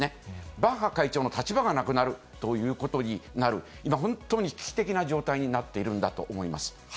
バッハ会長の立場がなくなるということになる、本当に危機的な状態になっているんだと思います。